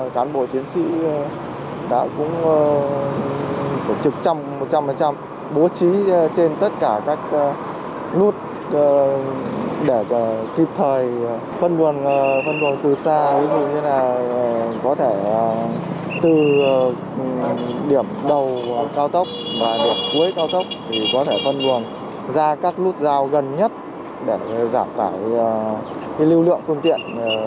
gần nhất để giảm tải lưu lượng phương tiện tham gia giao thông trên tuyến